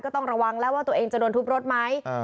ต้องระวังแล้วว่าตัวเองจะโดนทุบรถไหม